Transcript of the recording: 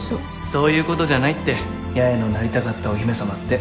そういうことじゃないって八重のなりたかったお姫様って。